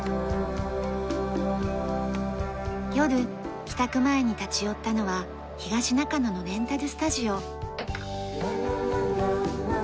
夜帰宅前に立ち寄ったのは東中野のレンタルスタジオ。